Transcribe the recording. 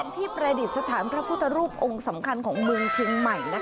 ที่ประดิษฐานพระพุทธรูปองค์สำคัญของเมืองเชียงใหม่